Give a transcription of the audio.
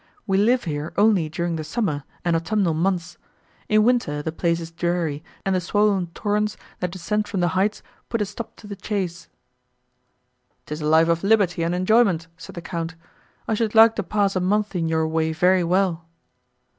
We live here only during the summer, and autumnal months; in winter, the place is dreary, and the swoln torrents, that descend from the heights, put a stop to the chace." "'Tis a life of liberty and enjoyment," said the Count: "I should like to pass a month in your way very well."